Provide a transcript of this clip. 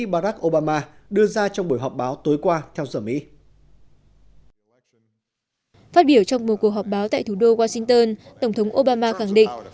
bảo đảm an toàn cho người tham gia giao thông